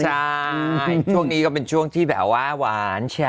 ใช่ช่วงนี้ก็เป็นช่วงที่แบบว่าหวานฉะ